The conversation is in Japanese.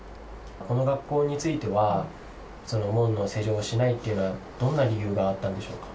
この学校については、門の施錠をしないというのは、どんな理由があったんでしょうか？